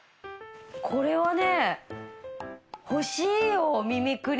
これはね。